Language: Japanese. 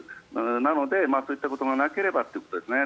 なので、そういったことがなければということですね。